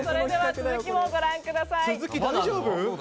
続きもご覧ください。